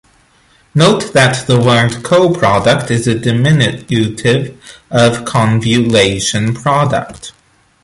Note that the word "coproduct" is a diminutive of "convolution product".